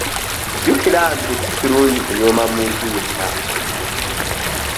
Jjukira nti si kirungi kunyooma muntu yenna.